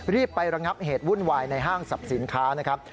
รีบไประงับเหตุวุ่นวายในห้างสรรพสินค้านะครับ